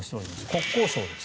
国交省です。